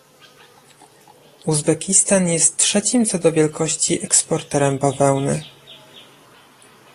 Uzbekistan jest trzecim co do wielkości eksporterem bawełny